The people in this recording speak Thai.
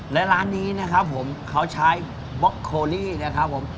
และร้านนี้นะครับผมเขาใช้บล็อกโคลี่นะครับผม